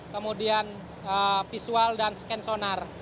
kemudian visual dan scan sonar